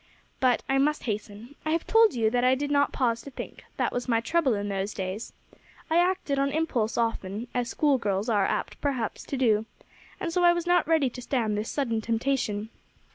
But I must hasten. I have told you that I did not pause to think; that was my trouble in those days: I acted on impulse often, as schoolgirls are apt perhaps to do, and so I was not ready to stand this sudden temptation.